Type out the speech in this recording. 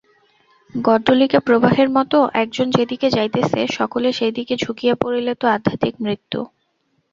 গড্ডলিকা-প্রবাহের মত একজন যেদিকে যাইতেছে, সকলে সেইদিকে ঝুঁকিয়া পড়িলে তো আধ্যাত্মিক মৃত্যু।